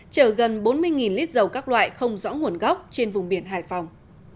chở gần bốn mươi lít dầu các loại không rõ nguồn gốc trên vùng biển hải phòng